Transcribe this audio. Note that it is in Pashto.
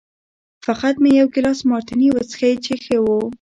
فقط مې یو ګیلاس مارتیني وڅښی چې ښه و.